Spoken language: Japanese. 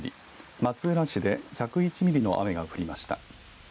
松浦市で１０１ミリの雨が降りました。